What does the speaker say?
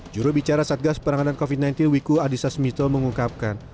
juru bicara satgas peranganan covid sembilan belas wiku adhisa smitul mengungkapkan